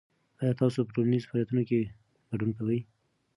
آیا تاسو په ټولنیزو فعالیتونو کې ګډون کوئ؟